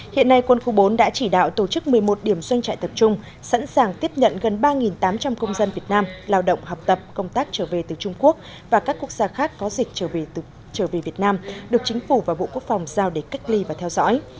hiện nay quân khu bốn đã chỉ đạo tổ chức một mươi một điểm doanh trại tập trung sẵn sàng tiếp nhận gần ba tám trăm linh công dân việt nam lao động học tập công tác trở về từ trung quốc và các quốc gia khác có dịch trở về việt nam được chính phủ và bộ quốc phòng giao để cách ly và theo dõi